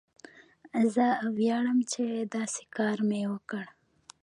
زه ویاړم چې داسې کار مې وکړ.